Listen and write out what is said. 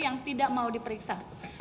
yang tidak mau diperiksa